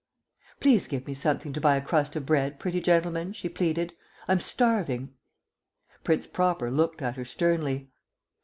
"Please give me something to buy a crust of bread, pretty gentleman," she pleaded. "I'm starving." Prince Proper looked at her sternly.